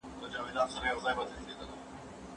هیڅوک حق نه لري چي د بل چا شخصي ژوند وپلټي.